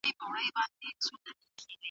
هغې ورزش عادت ګرځولی دی.